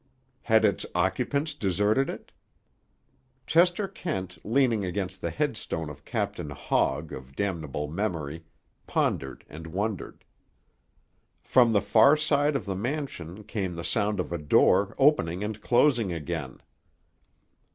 Had its occupants deserted it? Chester Kent, leaning against the headstone of Captain Hogg of damnable memory, pondered and wondered. From the far side of the mansion came the sound of a door opening and closing again.